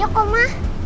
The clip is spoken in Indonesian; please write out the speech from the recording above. kenapa kamu mencari